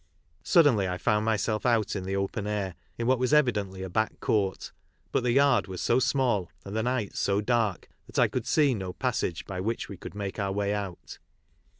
Suddenly I found myself out in the open air, in what was evidently a back court ; but the yard was so small, and the night so dark, that I could see no passage by which we could make our way put.